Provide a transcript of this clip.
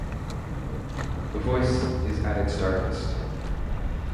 The voice is at its darkest.